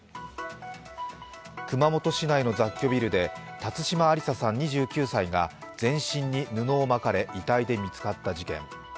熊本市内の雑居ビルで辰島ありささんが全身に布を巻かれ、遺体で見つかった事件。